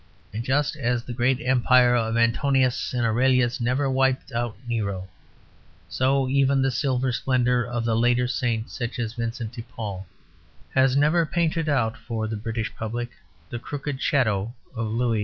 And just as the great Empire of Antoninus and Aurelius never wiped out Nero, so even the silver splendour of the latter saints, such as Vincent de Paul, has never painted out for the British public the crooked shadow of Louis XI.